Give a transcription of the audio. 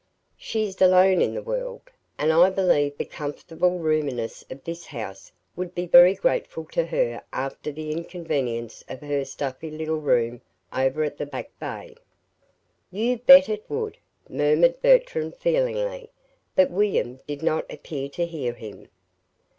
She's alone in the world, and I believe the comfortable roominess of this house would be very grateful to her after the inconvenience of her stuffy little room over at the Back Bay." "You bet it would!" murmured Bertram, feelingly; but William did not appear to hear him.